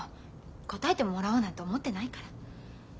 答えてもらおうなんて思ってないから。